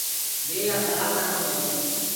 وي يآ سلآ ڪرن ڪي